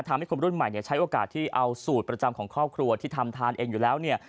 ทำให้คนรุ่นใหม่เนี่ยใช้โอกาสที่เอาสูตรประจำของครอบครัวที่ทำทานเองอยู่แล้วเนี่ย